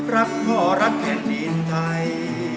รักพ่อรักแผ่นดินไทย